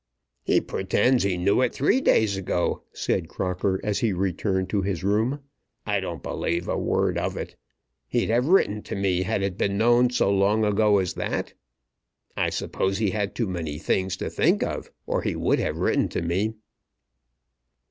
"He pretends he knew it three days ago!" said Crocker, as he returned to his room. "I don't believe a word of it. He'd have written to me had it been known so long ago as that. I suppose he had too many things to think of, or he would have written to me."